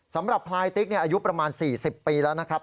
พลายติ๊กอายุประมาณ๔๐ปีแล้วนะครับ